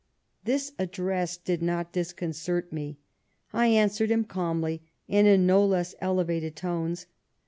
' This address did not disconcert me ; I answered him calmly, and in no less elevated tones.